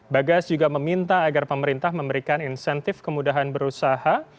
bagas juga meminta agar pemerintah memberikan insentif kemudahan berusaha